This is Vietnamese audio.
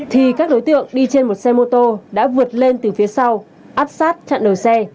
thì các đối tượng đi trên một xe mô tô đã vượt lên từ phía sau áp sát chặn đầu xe